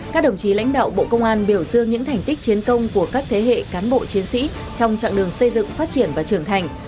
các đồng chí lãnh đạo bộ công an biểu dương những thành tích chiến công của các thế hệ cán bộ chiến sĩ trong trạng đường xây dựng phát triển và trưởng thành